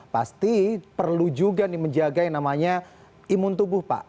pasti perlu juga menjaga yang namanya imun tubuh pak